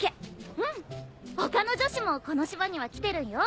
うん他の女子もこの島には来てるんよ。